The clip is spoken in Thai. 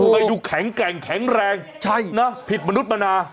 ไปดูแข็งแกร่งแข็งแรงผิดมนุษย์มนา